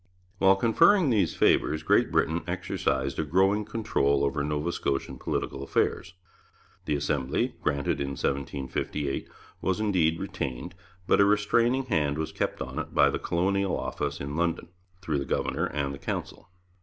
While conferring these favours, Great Britain exercised a growing control over Nova Scotian political affairs. The Assembly, granted in 1758, was indeed retained, but a restraining hand was kept on it by the Colonial Office in London, through the governor and the Council.